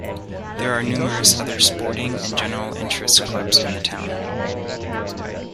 There are numerous other sporting and general interest clubs in the town.